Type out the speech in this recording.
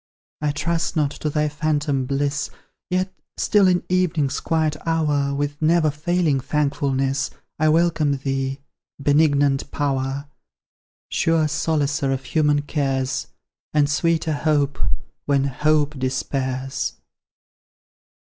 I trust not to thy phantom bliss, Yet, still, in evening's quiet hour, With never failing thankfulness, I welcome thee, Benignant Power; Sure solacer of human cares, And sweeter hope, when hope despairs!